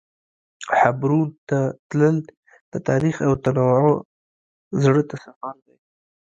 حبرون ته تلل د تاریخ او تنوع زړه ته سفر دی.